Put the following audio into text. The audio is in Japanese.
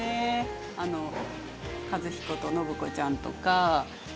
和彦と暢子ちゃんとか。